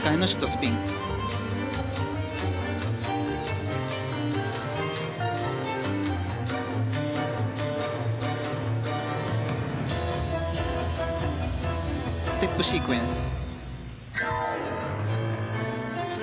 ステップシークエンス。